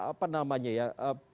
apakah ini terkait dengan bukti interest